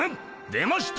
出ました。